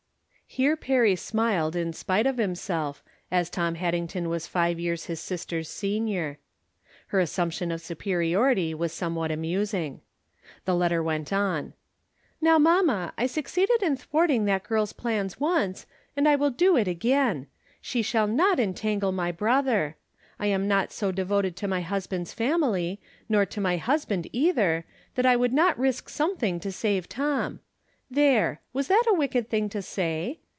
Here Perry smiled in spite of himself, as Tom Haddington was five years his sister's senior. Her assumption of superiority was somewhat amusing. The letter went on : From Different Standpoints. 237 Now, mamma, I succeeded in thwarting that girl's plans once, and I will do it again ; she shall not entangle my brother. I am not so de voted to my husband's family, nor to my hus band, either, that I would not risk something to save Tom. There ! Was that a wicked thing to say?